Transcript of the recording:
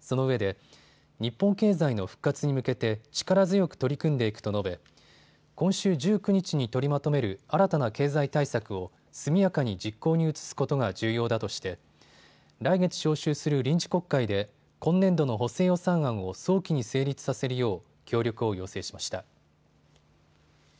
そのうえで日本経済の復活に向けて力強く取り組んでいくと述べ、今週１９日に取りまとめる新たな経済対策を速やかに実行に移すことが重要だとして来月召集する臨時国会で今年度の補正予算案を早期に成立させるよう協力を要請しました。